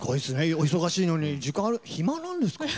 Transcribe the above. お忙しいのに暇なんですかね。